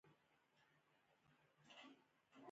د وخت مزد په خپل ذات کې مختلف ډولونه لري